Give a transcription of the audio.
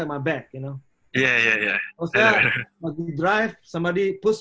kalau kita di drive seseorang nge push